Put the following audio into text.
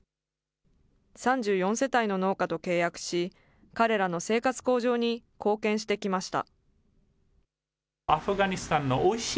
３４世帯の農家と契約し、彼らの生活向上に貢献してきました。